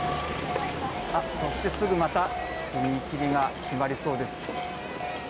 すぐまた踏切が閉まりそうです。